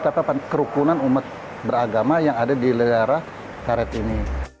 tapi kerukunan umat beragama yang ada di daerah karet ini